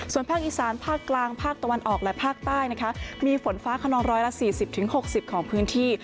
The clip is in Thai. ส่วนภาคอีสานภาคกลางภาคตะวันออกและภาคใต้นะคะมีฝนฟ้าขนองร้อยละ๔๐๖๐ของพื้นที่